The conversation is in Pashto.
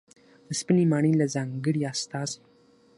د سپینې ماڼۍ له ځانګړې استازي